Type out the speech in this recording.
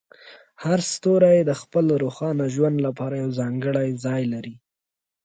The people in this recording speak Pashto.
هر ستوری د خپل روښانه ژوند لپاره یو ځانګړی ځای لري.